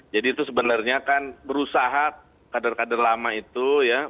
jadi itu sebenarnya kan berusaha kader kader lama itu ya